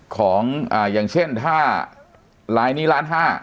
ของอย่างเช่นถ้าลายนี้ล้านห้า